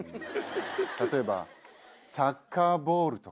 例えばサッカーボールとか。